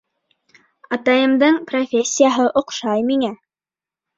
Атайымдың профессияһы оҡшай миңә.